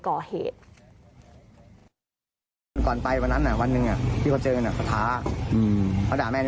ก่อเหตุก่อนไปวันนั้นอ่ะวันหนึ่งอ่ะที่เขาเจอกันอ่ะ